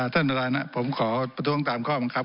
ท่านประธานผมขอประท้วงตามข้อบังคับ